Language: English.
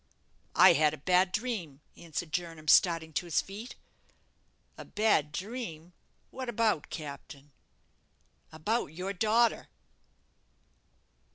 "I had a bad dream," answered Jernam, starting to his feet. "A bad dream! What about, captain?" "About your daughter!"